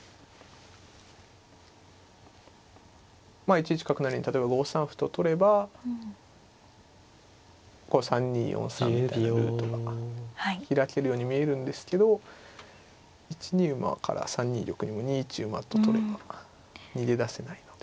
１一角成に例えば５三歩と取ればこう３二４三みたいなルートが開けるように見えるんですけど１二馬から３二玉にも２一馬と取れば逃げ出せないので。